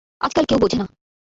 আজকাল কেউ বোঝে না।